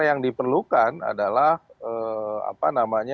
yang ketiga juga misalnya pembelian mobil listrik ya